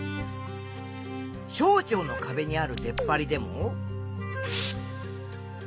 小腸のかべにある出っ張りでも。